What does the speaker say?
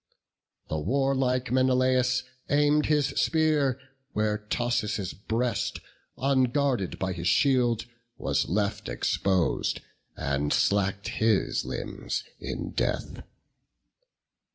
The warlike Menelaus aim'd his spear Where Thoas' breast, unguarded by his shield, Was left expos'd; and slack'd his limbs in death.